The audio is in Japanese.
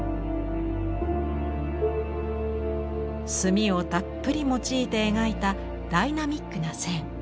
墨をたっぷり用いて描いたダイナミックな線。